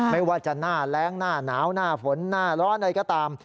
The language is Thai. ไม่ว่าจะน่าแร้งน่าหนาวน่าฝนน่าร้อนอะไรก็ตาม